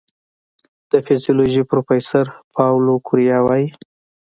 د فزیولوژي پروفېسور پاولو کوریا وايي